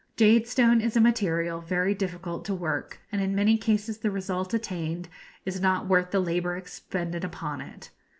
Jadestone is a material very difficult to work, and in many cases the result attained is not worth the labour expended upon it.